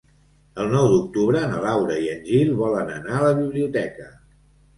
El nou d'octubre na Laura i en Gil volen anar a la biblioteca.